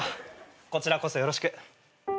こちらこそよろしく。